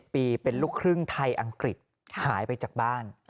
ปีเป็นลูกครึ่งไทยอังกฤษหายไปจากบ้าน